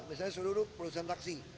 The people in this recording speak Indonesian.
misalnya suruh suruh perusahaan taksi